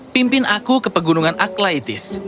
pimpin aku ke pegunungan aklaitis